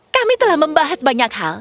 kami telah membahas banyak hal